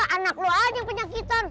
anak lu aja yang penyakitan